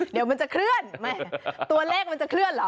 เดี๋ยวมันจะเคลื่อนแม่ตัวเลขมันจะเคลื่อนเหรอ